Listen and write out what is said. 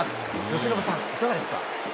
由伸さん、いかがですか。